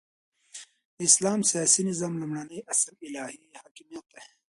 د اسلام سیاسی نظام لومړنی اصل الهی حاکمیت دی،